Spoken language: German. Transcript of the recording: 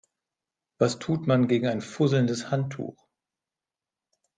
Was tut man gegen ein fusselndes Handtuch?